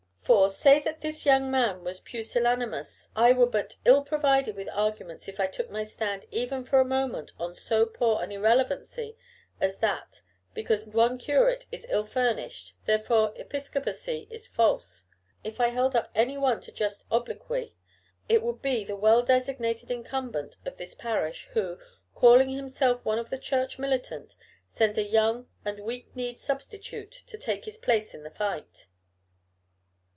For, say that this young man was pusillanimous I were but ill provided with arguments if I took my stand even for a moment on so poor an irrelevancy as that because one curate is ill furnished therefore Episcopacy is false. If I held up any one to just obloquy, it would be the well designated Incumbent of this parish, who, calling himself one of the Church militant, sends a young and weak kneed substitute to take his place in the fight."